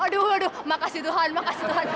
aduh waduh makasih tuhan makasih tuhan